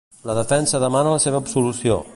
La defensa demana la seva absolució.